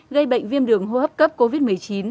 gây bệnh viêm đường hộp cấp covid một mươi chín